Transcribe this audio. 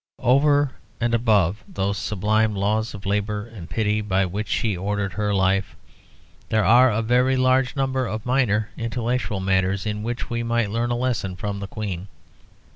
Over and above those sublime laws of labour and pity by which she ordered her life, there are a very large number of minor intellectual matters in which we might learn a lesson from the Queen.